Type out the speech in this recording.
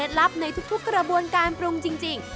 ลับในทุกกระบวนการปรุงจริง